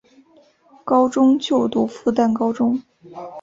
高中就读复旦高中。